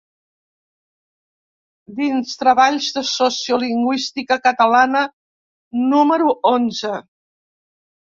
Dins Treballs de Sociolingüística Catalana número onze.